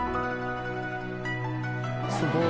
すごい。